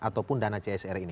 ataupun dana csri ini